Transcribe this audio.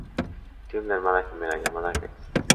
Tiene una hermana gemela, llamada Grace.